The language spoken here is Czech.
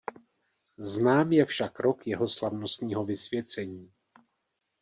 Znám je však rok jeho slavnostního vysvěcení.